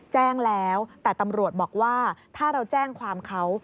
แจ้งแล้วแต่ตำรวจบอกว่าถ้าเราแจ้งความเขา